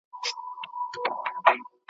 ابتدائي درسونه مي